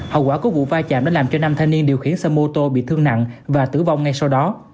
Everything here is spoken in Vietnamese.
hậu quả của vụ va chạm đã làm cho năm thanh niên điều khiển xe mô tô bị thương nặng và tử vong ngay sau đó